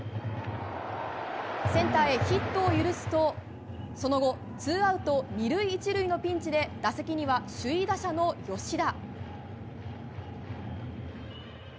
センターへヒットを許すとその後ツーアウト２塁１塁のピンチで打席には、首位打者の吉田。